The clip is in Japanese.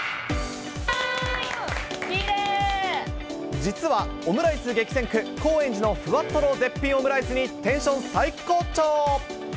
実はオムライス激戦区、高円寺のふわとろ絶品オムライスに、テンション最高潮。